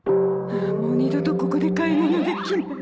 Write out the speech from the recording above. もう二度とここで買い物できない